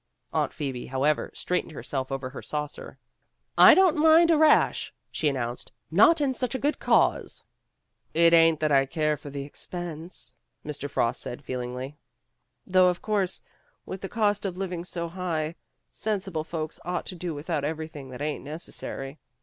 Aunt Phoebe, however, straightened herself over her saucer. "I don't mind a rash," she announced, "not in such a good cause." "It ain't that I care for the expense," Mr. Frost said feelingly, "though of course, with the cost of living so high, sensible folks ought to do without everything that ain't necessary.